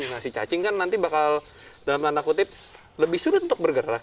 nasi cacing kan nanti bakal dalam tanda kutip lebih sulit untuk bergerak